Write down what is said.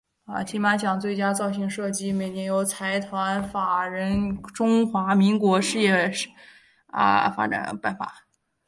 金马奖最佳造型设计每年由财团法人中华民国电影事业发展基金会颁发。